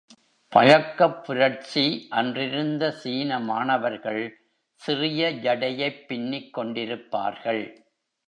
பழக்கப் புரட்சி அன்றிருந்த சீன மாணவர்கள் சிறிய ஜடையைப் பின்னிக் கொண்டிருப்பார்கள்.